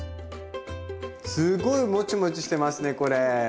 すごいモチモチしてますねこれ。